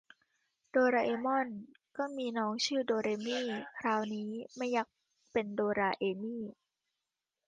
โดราเอมอนก็มีน้องชื่อโดเรมี คราวนี้ไม่ยักเป็นโดราเอมี